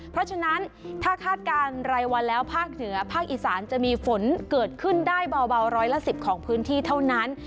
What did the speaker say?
เพราะฉะนั้นถ้าคาดการณ์รายวันแล้วภาคเหนือภาคอีสานจะมีฝนเกิดขึ้นได้เบาร้อยละ๑๐ของพื้นที่เท่านั้น